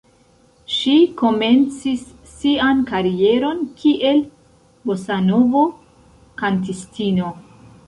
Ŝi komencis sian karieron kiel bosanovo-kantistino.